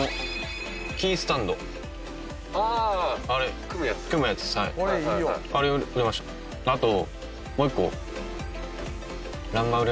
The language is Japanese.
あともう１個。